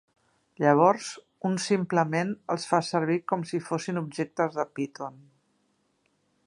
Llavors un simplement els fa servir com si fossin objectes de Python.